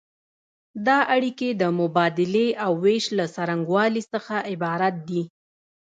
دا اړیکې د مبادلې او ویش له څرنګوالي څخه عبارت دي.